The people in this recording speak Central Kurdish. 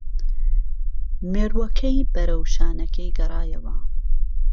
مێرووەکەی بەرەو شانەکەی گەڕایەوە